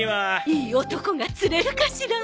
いい男が釣れるかしら！？